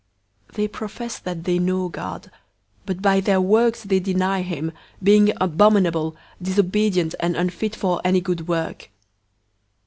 001:016 They profess that they know God, but by their works they deny him, being abominable, disobedient, and unfit for any good work.